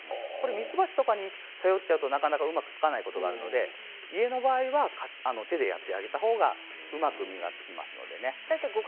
ミツバチとかに頼っちゃうとなかなかうまくつかないことがあるので、家の場合は手でやってあげたほうがうまく実が付きますのでね。